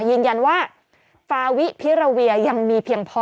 ยืนยันว่าฟาวิพิราเวียยังมีเพียงพอ